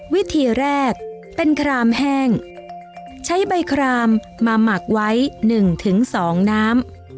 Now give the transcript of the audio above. วิธีแรกเป็นคลามแห้งใช้ใบคลามมาหมักไว้หนึ่งถึงสองน้ำ